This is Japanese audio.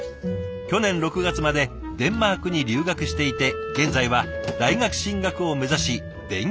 去年６月までデンマークに留学していて現在は大学進学を目指し勉強中。